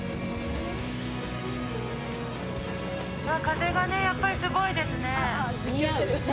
風がやっぱりすごいですね。